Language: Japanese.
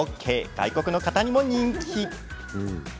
外国の方にも人気。